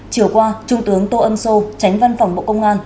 chiều qua trung tướng tô ân sô tránh văn phòng bộ công an